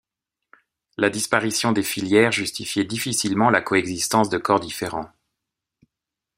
La disparition des filières justifiait difficilement la coexistence de corps différents.